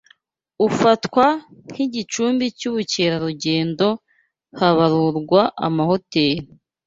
ufatwa nk’igicumbi cy’ubukerarugendo habarurwa amahoteri